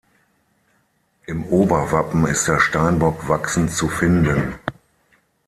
Im Oberwappen ist der Steinbock wachsend zu finden.